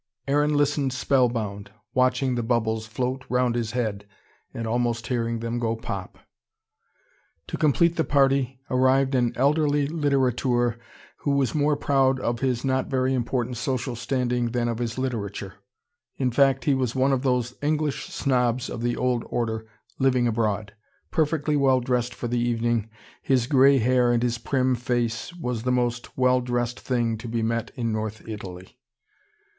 Aaron listened spell bound, watching the bubbles float round his head, and almost hearing them go pop. To complete the party arrived an elderly litterateur who was more proud of his not very important social standing than of his literature. In fact he was one of those English snobs of the old order, living abroad. Perfectly well dressed for the evening, his grey hair and his prim face was the most well dressed thing to be met in North Italy.